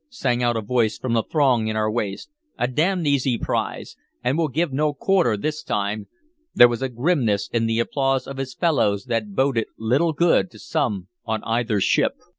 sang out a voice from the throng in our waist. "A d d easy prize! And we'll give no quarter this time!" There was a grimness in the applause of his fellows that boded little good to some on either ship.